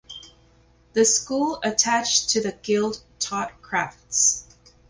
The School attached to the Guild taught crafts.